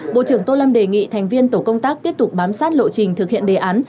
bộ trưởng tô lâm đề nghị thành viên tổ công tác tiếp tục bám sát lộ trình thực hiện đề án